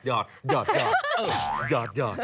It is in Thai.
หยอดเอ่อหยอดหยอด